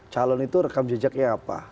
calon itu rekam jejaknya apa